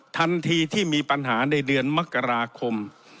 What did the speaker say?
ทันทีที่มีปัญหาในเดือนมกราคม